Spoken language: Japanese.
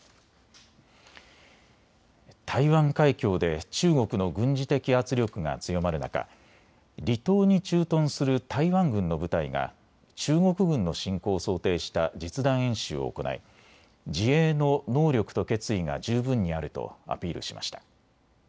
台湾海峡で中国の軍事的圧力が強まる中、離島に駐屯する台湾軍の部隊が中国軍の侵攻を想定した実弾演習を行い自衛の能力と決意が十分にあるとアピールしました。